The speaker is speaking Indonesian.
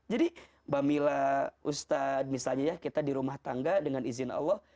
mbak mila ustadz misalnya ya kita di rumah tangga dengan izin allah